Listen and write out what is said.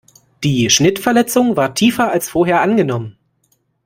Die Schnittverletzung war tiefer als vorher angenommen.